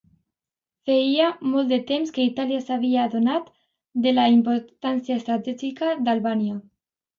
Feia molt de temps que Itàlia s'havia adonat de la importància estratègica d'Albània.